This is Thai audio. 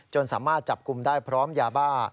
สามารถจับกลุ่มได้พร้อมยาบ้า